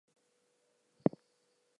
Senator in the state's history.